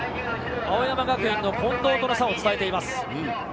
青山学院の近藤との差を伝えています。